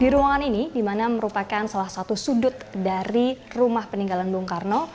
di ruangan ini dimana merupakan salah satu sudut dari rumah peninggalan bung karno